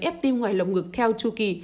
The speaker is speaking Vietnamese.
ép tim ngoài lồng ngực theo chu kỳ